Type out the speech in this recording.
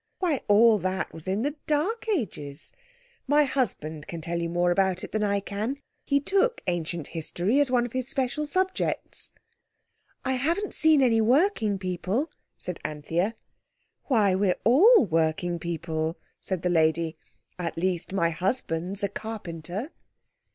"Why, all that was in the dark ages! My husband can tell you more about it than I can. He took Ancient History as one of his special subjects." "I haven't seen any working people," said Anthea. "Why, we're all working people," said the lady; "at least my husband's a carpenter."